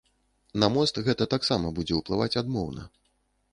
На мост гэта таксама будзе ўплываць адмоўна.